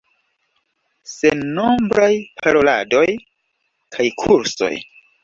Sennombraj paroladoj kaj kursoj.